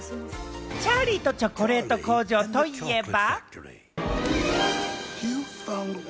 『チャーリーとチョコレート工場』といえば。